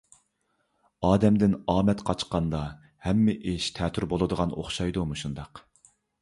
ئادەمدىن ئامەت قاچقاندا، ھەممە ئىش تەتۈر بولىدىغان ئوخشايدۇ مۇشۇنداق!